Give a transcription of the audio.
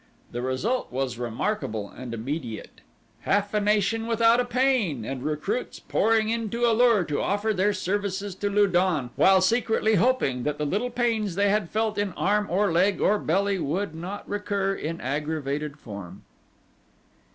The result was remarkable and immediate half a nation without a pain, and recruits pouring into A lur to offer their services to Lu don while secretly hoping that the little pains they had felt in arm or leg or belly would not recur in aggravated form.